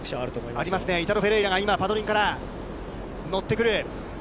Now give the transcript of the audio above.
ありますね、イタロ・フェレイラがパドリングから乗ってくる。